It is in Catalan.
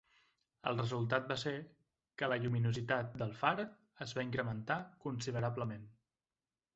El resultat va ser que la lluminositat del far es van incrementar considerablement.